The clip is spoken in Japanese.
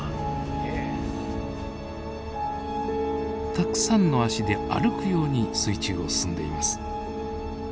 たくさんの足で歩くように水中を進んでいます。